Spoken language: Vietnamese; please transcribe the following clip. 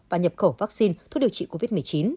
và nhập khẩu vaccine thuốc điều trị covid một mươi chín